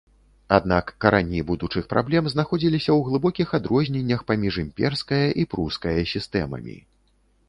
Аднак карані будучых праблем знаходзіліся ў глыбокіх адрозненнях паміж імперскае і прускае сістэмамі.